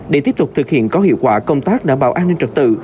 để tiếp tục thực hiện có hiệu quả công tác đảm bảo an ninh trật tự